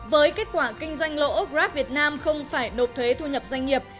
với kết quả kinh doanh lỗ grab việt nam không phải nộp thuế thu nhập doanh nghiệp